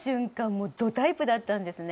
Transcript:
もうどタイプだったんですね。